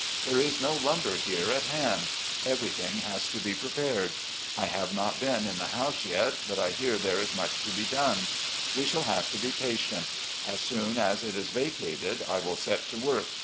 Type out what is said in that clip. There is no lumber here at hand. Everything has to be prepared. I have not been in the 190 RECOLLECTIONS OP GENERAL LEE house yet, but I hear there is much to be done. We shall have to be patient. As soon as it is vacated, I will set to work.